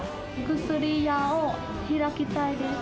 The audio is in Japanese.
薬屋を開きたいです。